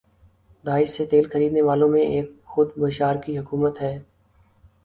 داعش سے تیل خرینے والوں میں ایک تو خود بشار کی حکومت ہے